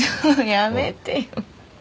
やめてよ。